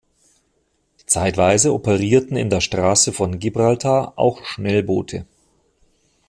Zeitweise operierten in der Straße von Gibraltar auch Schnellboote.